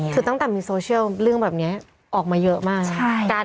คือตั้งแต่มีโซเชียลเรื่องแบบนี้ออกมาเยอะมากเลย